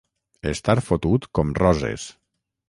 Estar fotut com Roses.